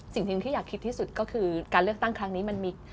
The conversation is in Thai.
สิ่งที่อยากคิดที่สุดก็คือการเลือกตั้งครั้งนี้มันมี